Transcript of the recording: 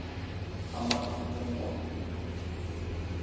Амагнитофон.